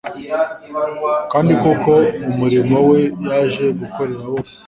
Kandi kuko mu murimo we yaje gukorera bose,